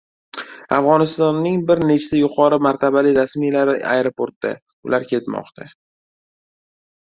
Afg‘onistonning bir nechta yuqori martabali rasmiylari aeroportda. Ular ketmoqda